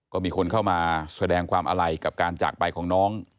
ก็มีคนเข้ามาแสดงความอาลัยกับการจากไปของน้อง